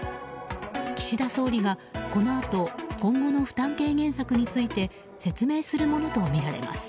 岸田総理がこのあと今後の負担軽減策について説明するものとみられます。